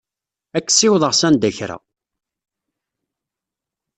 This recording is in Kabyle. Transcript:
Ad k-ssiwḍeɣ sanda n kra.